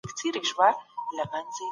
خپل عبادت یوازې د الله لپاره وکړئ.